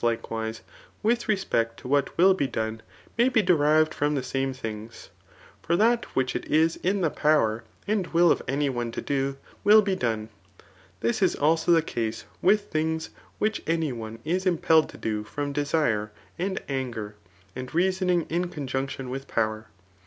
likewise, with resp»eet to what will be done may be derived hoin. the same things ; for that which it is in: the poMV'er and will df iuy ope to do, will be done. This is also the case with things which any one is im pelled to do from desire and anger, and reasoning in conjunction with power.